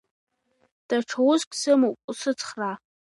Даҽа уск сымоуп, усыцхраа!